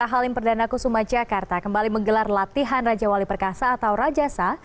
halim perdana kusuma jakarta kembali menggelar latihan raja wali perkasa atau rajasa